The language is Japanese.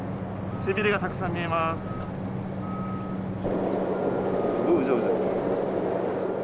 背びれがたくさん見えます。